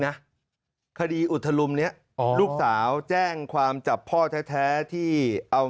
นะคดีอุทลุมนี้ลูกสาวแจ้งความจับพ่อแท้ที่เอา